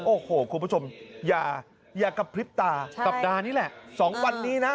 โอ้โหคุณผู้ชมอย่ากระพริบตาประดานี้แหละ